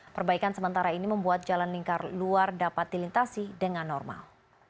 perbaikan sementara ini membuat jalan lingkar luar dapat dilintasi dengan normal